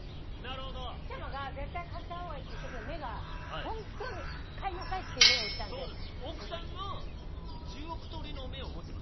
奥様が「絶対買った方がいい」って言った時の目が本当に買いなさいっていう目をしてたんで。